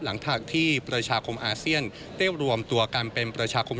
หลังจากที่ประชาคมอาเซียนได้รวมตัวกันเป็นประชาคม